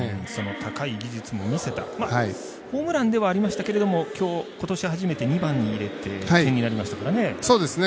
高い技術も見せたホームランではありましたけど今年初めて２番に入れて点になりましたからね。